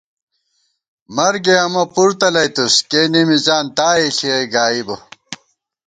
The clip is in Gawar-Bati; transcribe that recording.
مرگے امہ پُر تلَئیتُوس ، کېنے مِزان تائے ݪِیَئ گائیبہ